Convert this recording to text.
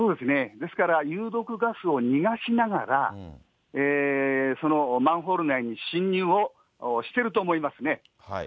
ですから、有毒ガスを逃がしながら、そのマンホール内に進入をしてると思いますね。